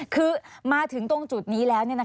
คือมาถึงตรงจุดนี้แล้ว